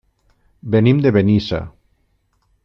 Venim de Benissa.